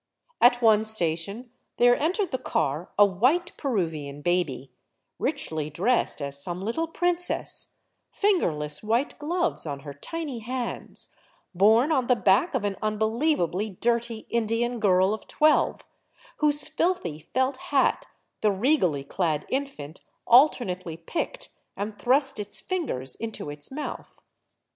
At one station there en tered the car a white Peruvian baby, richly dressed as some little prin j cess, fingerless white gloves on her tiny hands, borne on the back of an unbelievably dirty Indian girl of twelve, whose filthy felt hat the regally clad infant alternately picked and thrust its fingers into its mouth.